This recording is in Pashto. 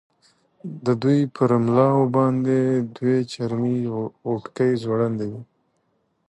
د دوی پر ملاو باندې دوې چرمي غوټکۍ ځوړندې وې.